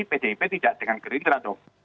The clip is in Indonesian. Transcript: pdip tidak dengan gerindra